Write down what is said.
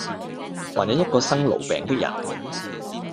還有一個生癆病的人，